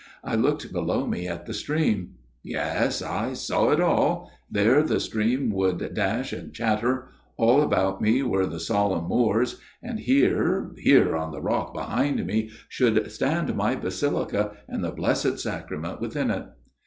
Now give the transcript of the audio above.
I looked below me at the stream. Yes ; I saw it all ; there the stream should dash and chatter ; all about me were the solemn moors ; and here, here on the rock behind me should stand my basilica, and the Blessed Sacrament within it.